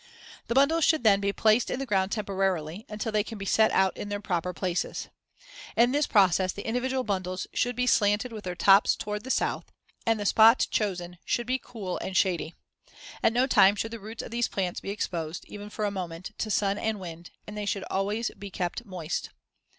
The bundles should then be placed in the ground temporarily, until they can be set out in their proper places. In this process, the individual bundles should be slanted with their tops toward the south, and the spot chosen should be cool and shady. At no time should the roots of these plants be exposed, even for a moment, to sun and wind, and they should always be kept moist.